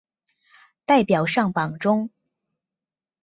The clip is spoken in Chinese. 代表上榜中